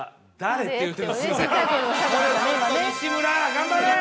頑張れ！